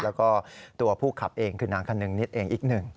แล้วก็ตัวผู้ขับเองคือนางคนนึงนิดเองอีกหนึ่ง